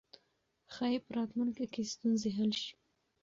ښايي په راتلونکي کې ستونزې حل شي.